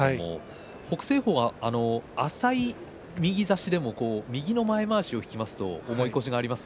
北青鵬は浅い右差しでも右の前まわしを引きますと重い腰があります。